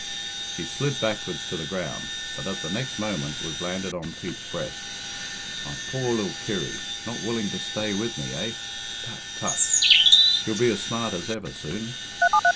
She slid backwards to the ground, but at the next moment was landed on Pete's breast. "My poor lil Kirry! Not willing to stay with me, eh? Tut, tut! She'll be as smart as ever, soon."